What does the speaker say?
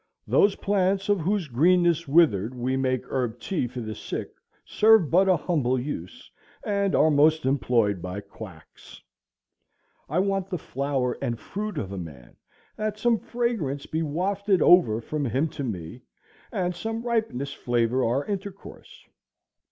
Those plants of whose greenness withered we make herb tea for the sick, serve but a humble use, and are most employed by quacks. I want the flower and fruit of a man; that some fragrance be wafted over from him to me, and some ripeness flavor our intercourse.